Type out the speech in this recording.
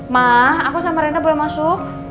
ma aku sama rena boleh masuk